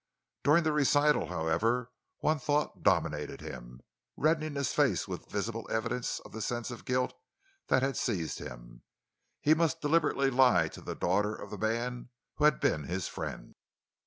During the recital, however, one thought dominated him, reddening his face with visible evidence of the sense of guilt that had seized him. He must deliberately lie to the daughter of the man who had been his friend.